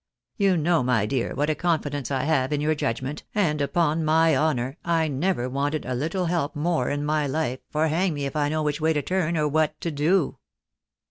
You know, my dear, what a confidence I have in your judgment, and upon my honour I never wanted a little help more in my life, for hang me if I know which way to turn, or what to do."